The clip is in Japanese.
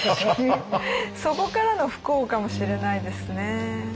そこからの不幸かもしれないですね。